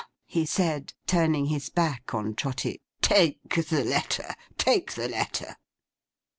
he said, turning his back on Trotty. 'Take the letter. Take the letter!